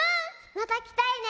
またきたいね。